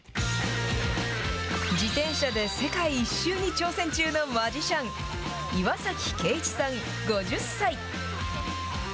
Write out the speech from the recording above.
自転車で世界一周に挑戦中のマジシャン、岩崎圭一さん５０歳。